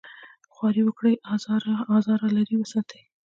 خواري وکړي ازاره لرې وساتي.